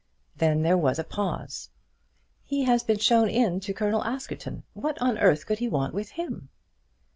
Then there was a pause. "He has been shown in to Colonel Askerton. What on earth could he want with him?"